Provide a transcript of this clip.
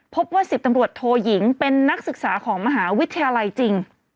พบว่า๑๐ตำรวจโทยิงเป็นนักศึกษาของมหาวิทยาลัยจริง